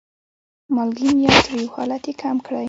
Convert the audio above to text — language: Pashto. مالګین یا تریو حالت یې کم کړي.